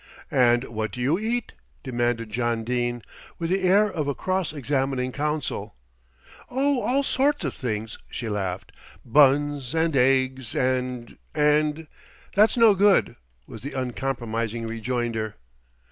"And what do you eat?" demanded John Dene, with the air of a cross examining counsel. "Oh, all sorts of things," she laughed; "buns and eggs and and " "That's no good," was the uncompromising rejoinder.